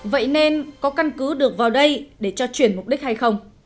vậy nên có căn cứ được vào đây để cho chuyển mục đích hay không